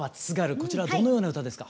こちらどのような歌ですか？